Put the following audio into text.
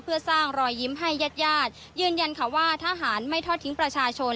เพื่อสร้างรอยยิ้มให้ญาติญาติยืนยันค่ะว่าทหารไม่ทอดทิ้งประชาชน